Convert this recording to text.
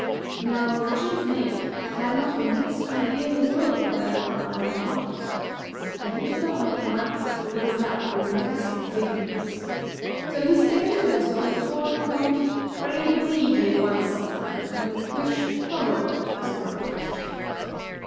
Now, the chief mate had not the least idea in the world where Apple Island was, but he did not like to ask, because that would be confessing his ignorance; so he steered his vessel toward a point where he believed he had once seen an island, which, probably, was the one in question.